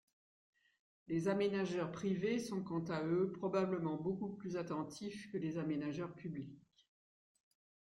Les aménageurs privés sont quant à eux probablement beaucoup plus attentifs que les aménageurs publics.